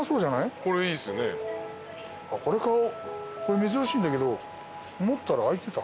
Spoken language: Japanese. これ珍しいんだけど。